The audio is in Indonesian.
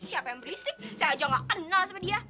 siapa yang berisik saya aja gak kenal sama dia